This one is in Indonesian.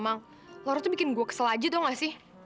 emang laura tuh bikin gue kesel aja tau nggak sih